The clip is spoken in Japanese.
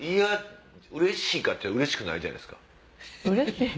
うれしいか？っていったらうれしくないじゃないですか。